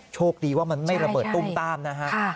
โชคดีว่ามันไม่ระเบิดตุ้มต้ามนะฮะ